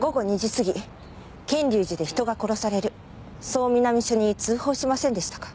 そう南署に通報しませんでしたか？